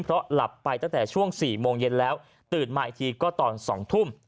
เพราะหลับไปตั้งแต่ช่วง๔โมงเย็นแล้วตื่นมาอีกทีก็ตอน๒ทุ่ม